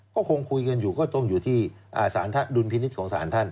ก็คงคุยกันอยู่ก็ต้องอยู่ที่สารดุลพินิษฐ์ของสารท่าน